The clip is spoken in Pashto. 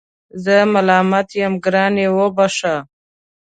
زه ملامت یم ګرانې وبخښه